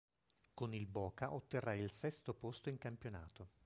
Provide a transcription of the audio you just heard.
Con il Boca otterrà il sesto posto in campionato.